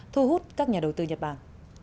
thu hút các nhà đầu tư nhật bản